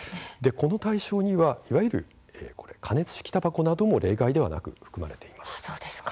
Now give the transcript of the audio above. この対象にはいわゆる加熱式たばこなども例外ではないんです。